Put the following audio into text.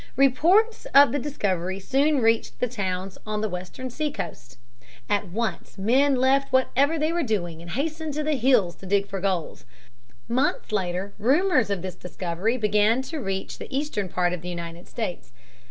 Reports of the discovery soon reached the towns on the western seacoast. At once men left whatever they were doing and hastened to the hills to dig for gold. Months later rumors of this discovery began to reach the eastern part of the United States.